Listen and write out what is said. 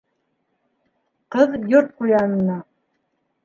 Ҡыҙ Йорт ҡуянының: